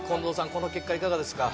この結果いかがですか？